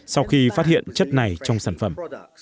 sau khi phát hiện chất này trong sản phẩm